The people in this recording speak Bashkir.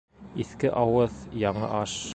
Иҫке ауыҙ, яңы аш